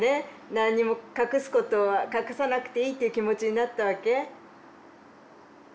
何にも隠すことは隠さなくていいって気持ちになったわけ？